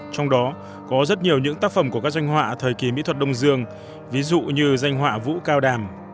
trong đó có rất nhiều những tác phẩm của các doanh họa thời kỳ mỹ thuật đông dương ví dụ như danh họa vũ cao đàm